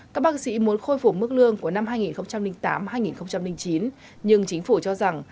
các bác sĩ muốn khôi phục mức lương của năm hai nghìn tám hai nghìn chín nhưng chính phủ cho rằng